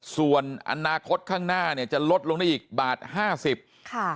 ส่วนอนาคตข้างหน้าเนี่ยจะลดลงได้อีกบาทห้าสิบค่ะ